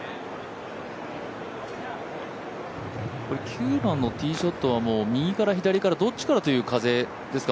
９番のティーショットは右から、左からどっちからという風ですか。